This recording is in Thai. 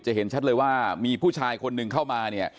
เห็นชัดเลยว่ามีผู้ชายคนหนึ่งเข้ามาเนี่ย